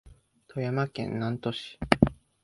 富山県南砺市